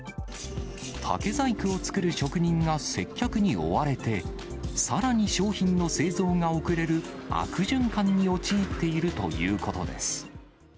竹細工を作る職人が接客に追われて、さらに商品の製造が遅れる悪循環に陥っているということです。